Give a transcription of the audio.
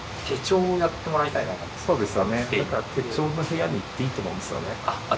手帳の部屋に行っていいと思うんですよね。